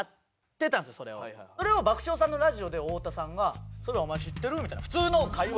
それを爆笑さんのラジオで太田さんが「そういえばお前知ってる？」みたいな普通の会話。